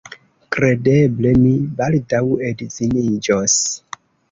Kredeble mi baldaŭ edziniĝos.